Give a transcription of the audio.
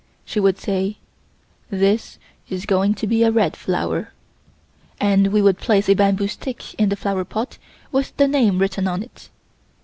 She would say: "This is going to be a red flower," and we would place a bamboo stick in the flower pot, with the name written on it.